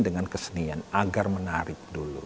dengan kesenian agar menarik